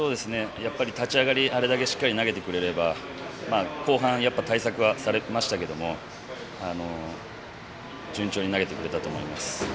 やっぱり、立ち上がりあれだけしっかり投げてくれれば後半、やっぱり対策はされましたけども順調に投げてくれたと思います。